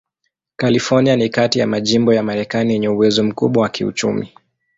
California ni kati ya majimbo ya Marekani yenye uwezo mkubwa wa kiuchumi.